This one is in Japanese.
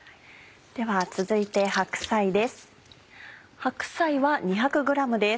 では続いて白菜です。